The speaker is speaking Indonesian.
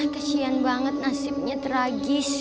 kasian banget nasibnya tragis